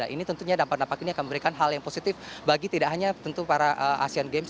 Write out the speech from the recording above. ini tentunya dampak dampak ini akan memberikan hal yang positif bagi tidak hanya tentu para asean games